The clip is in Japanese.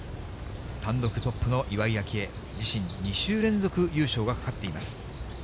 単独トップの岩井明愛、自身２週連続優勝がかかっています。